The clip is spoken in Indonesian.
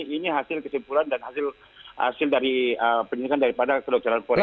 ini hasil kesimpulan dan hasil dari penyelidikan daripada kedokteran forensik